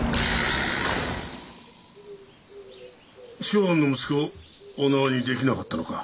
松庵の息子をお縄にできなかったのか。